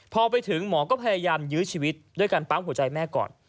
พอไปถึงหมอก็พยายามยื้อชีวิตด้วยการปั๊มหัวใจแม่ก่อน